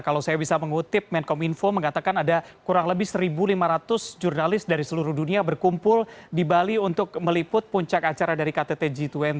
kalau saya bisa mengutip menkom info mengatakan ada kurang lebih satu lima ratus jurnalis dari seluruh dunia berkumpul di bali untuk meliput puncak acara dari ktt g dua puluh